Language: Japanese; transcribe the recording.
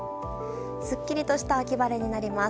すっきりとした秋晴れになります。